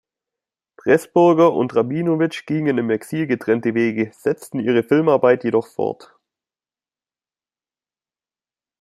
Pressburger und Rabinowitsch gingen im Exil getrennte Wege, setzten ihre Filmarbeit jedoch fort.